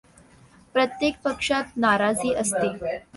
प्रत्येक पक्षात नाराजी असते.